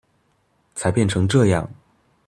才變成這樣